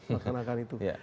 masakan akan itu